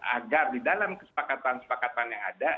agar di dalam kesepakatan kesepakatan yang ada